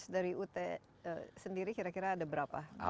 dari ut sendiri kira kira ada berapa